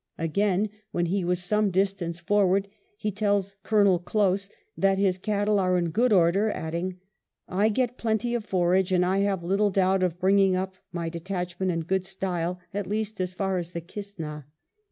Again, when he was some distance forward, he tells Colonel Close that his cattle are in good order, adding, "I get plenty of forage; and I have little doubt of bringing up my detachment in good style, at least as far as the Kistna."